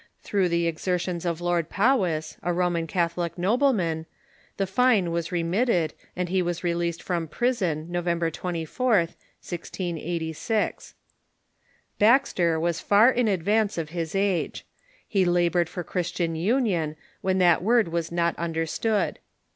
Through the exertions of Lord Powis, a Roman Catholic nobleman, the fine was re mitted, and he was released from prison November 24th, 1686. Baxter was far in advance of his age. He labored for Chris tian union when that word was not understood.